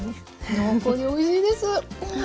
濃厚でおいしいです。